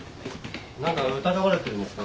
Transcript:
何か疑われてんですか？